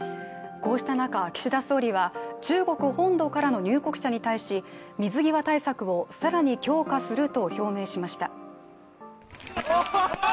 こうした中、岸田総理は中国本土からの入国者に対し水際対策を更に強化すると表明しました。